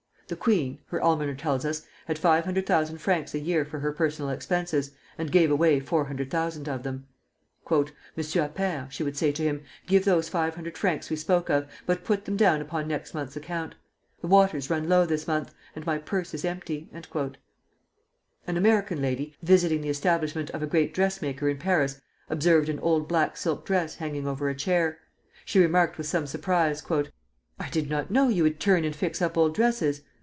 "The queen," her almoner tells us, "had 500,000 francs a year for her personal expenses, and gave away 400,000 of them." "M. Appert," she would say to him, "give those 500 francs we spoke of, but put them down upon next month's account. The waters run low this month; my purse is empty." An American lady, visiting the establishment of a great dressmaker in Paris, observed an old black silk dress hanging over a chair. She remarked with some surprise: "I did not know you would turn and fix up old dresses."